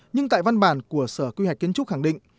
nhưng tại văn bản của sở quy hoạch kiến trúc khẳng định